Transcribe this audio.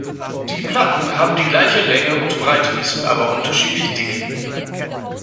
Die Platten haben die gleiche Länge und Breite, sind aber unterschiedlich dick.